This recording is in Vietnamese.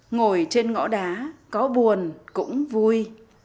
ngồi trên ngõ đá có buồn cũng vui